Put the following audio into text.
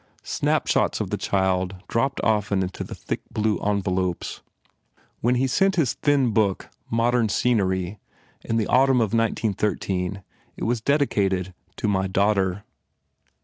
Snapshots of the child dropped often from the thick blue envelopes. When he sent his thin book, "Modern Scenery" in the autumn of 1913 it was dedicated, "To my Daughter."